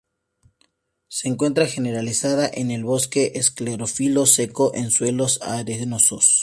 Se encuentra generalizada en el bosque esclerófilo seco en suelos arenosos.